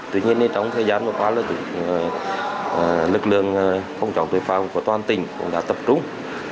tuy nhiên trong thời gian vừa qua lực lượng phòng trọng tuổi phòng của toàn tỉnh cũng đã tập trung